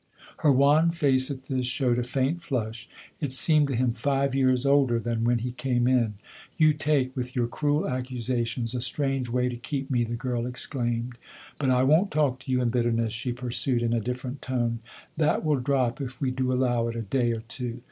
Her wan face, at this, showed a faint flush ; it seemed to him five years older than when he came in. " You take, with your cruel accusations, a strange way to keep me !" the girl exclaimed. u But I won't talk to you in bitterness," she pursued in a different tone. " That will drop if we do allow it a day or two."